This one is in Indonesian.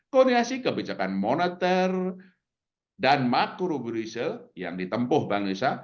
koordinasi kebijakan moneter dan makro grisel yang ditempuh bank risa